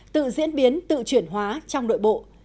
tự diễn biến tự chuyển hóa trong đội bộ